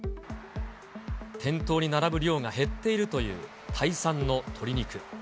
店頭に並ぶ量が減っているというタイ産の鶏肉。